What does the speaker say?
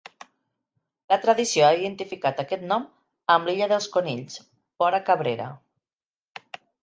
La tradició ha identificat aquest nom amb l'illa dels Conills, vora Cabrera.